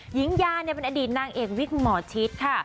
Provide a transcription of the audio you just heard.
หญิงยาเป็นอดีตนางเอกวิกหมอชิดค่ะ